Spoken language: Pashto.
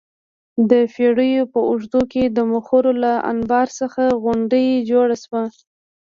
د پېړیو په اوږدو کې د خُمرو له انبار څخه غونډۍ جوړه شوه